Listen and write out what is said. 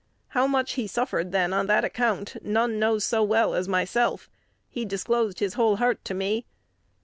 How much he suffered then on that account, none know so well as myself: he disclosed his whole heart to me.